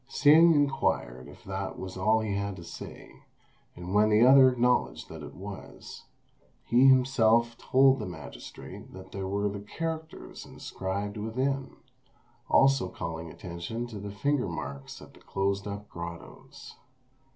Hsing inquired if that was all he had to say, and when the other acknowledged that it was, he himself told the magistrate what were the characters inscribed within, also calling attention to the finger marks at the closed up grottoes.